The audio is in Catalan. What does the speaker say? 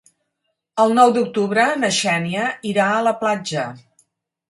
El nou d'octubre na Xènia irà a la platja.